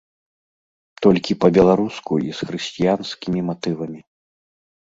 Толькі па-беларуску і з хрысціянскімі матывамі.